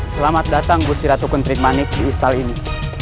selamat datang gustiratukun trikmanik di ustal ini